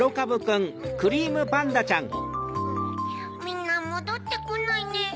みんなもどってこないね。